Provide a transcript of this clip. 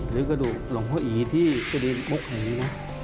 หรือกระดูกหลงพ่ออีย์ที่เจดีย์มกแหงนะ